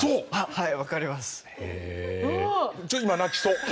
はい。